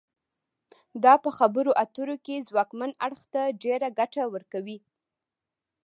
دا په خبرو اترو کې ځواکمن اړخ ته ډیره ګټه ورکوي